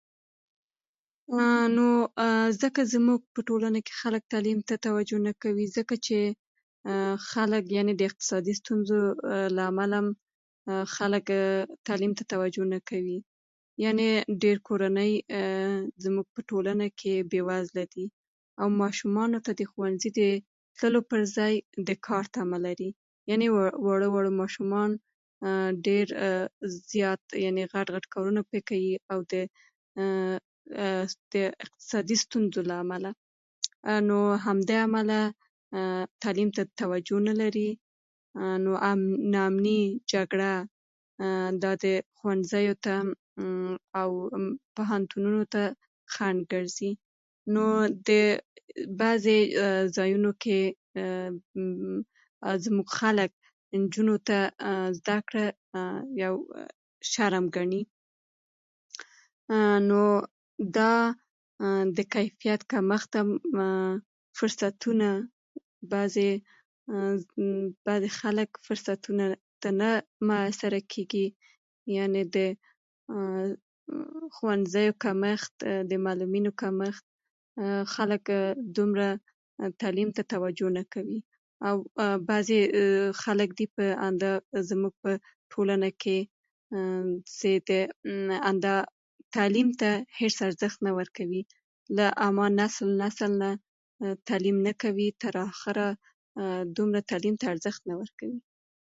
نو ځکه زموږ په ټولنه کې خلک تعلیم ته توجه نه کوي، ځکه چې خلک، یعنې د اقتصادي ستونزو له امله هم خلک تعلیم ته توجه نه کوي. یعنې ډېرې کورنۍ زموږ په ټولنه کې بې وزله دي، او ماشومانو ته د ښوونځي ته د تلو پر ځای د کار طمع لري. یعنې واړه واړه ماشومان، یعنې ډېر زیات غټ غټ کارونه پرې کوي، او د اقتصادي ستونزو له امله، نو همدې امله تعلیم ته توجه نه لري. نو هم ناامني، جګړه، دا د ښوونځیو ته پوهنتونونو ته خنډ ګرځي. نو د بعضې ځایونو کې زموږ خلک نجونو ته زده کړه یو ډول شرم ګڼي. نو دا کیفیت کمښت هم فرصتونه، بعضې بعضې خلک فرصتونو ته نه ترسره کېږي. یعنې د ښوونځیو کمښت، د معلمینو کمښت، خلک دومره تعلیم ته توجه نه کوي. او بعضې خلک دي زموږ په ټولنه کې چې د همدا تعلیم ته هېڅ ارزښت نه ورکوي، [unintelligible] نسل نسل نه تعلیم نه کوي، تر اخره دومره تعلیم ته ارزښت نه ورکوي.